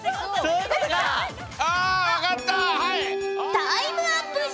タイムアップじゃ！